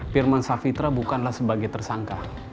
pirman savitra bukanlah sebagai tersangka